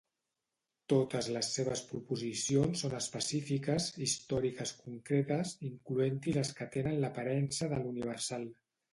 Totes les seves proposicions són específiques, històriques concretes, incloent-hi les que tenen l'aparença de l'universal.